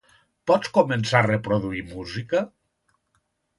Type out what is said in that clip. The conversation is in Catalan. Pots començar a reproduir música?